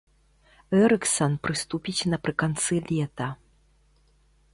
Эрыксан прыступіць напрыканцы лета.